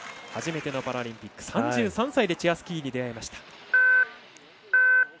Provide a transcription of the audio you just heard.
始めてのパラリンピック３３歳でチェアスキーに出会いました。